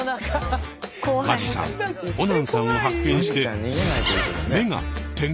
間地さんオナンさんを発見して目が点。